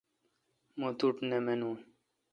مہ توٹھ نہ مانوں